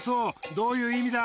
どういう意味だ？